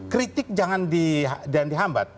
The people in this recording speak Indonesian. kritik jangan dihambat